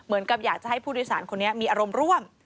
เหมือนกับอยากจะให้ผู้โดยสารคนนี้มีอารมณ์ร่วม